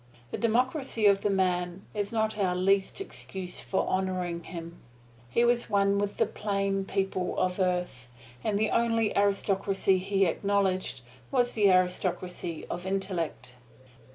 The democracy of the man is not our least excuse for honoring him. He was one with the plain people of earth, and the only aristocracy he acknowledged was the aristocracy of intellect.